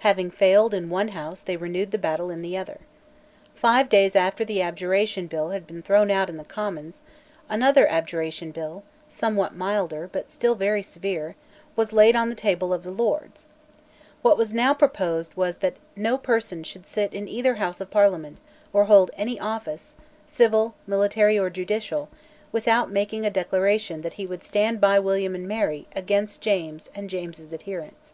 Having failed in one House they renewed the battle in the other. Five days after the Abjuration Bill had been thrown out in the Commons, another Abjuration Bill, somewhat milder, but still very severe, was laid on the table of the Lords, What was now proposed was that no person should sit in either House of Parliament or hold any office, civil, military, or judicial, without making a declaration that he would stand by William and Mary against James and James's adherents.